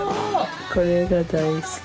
これが大好き。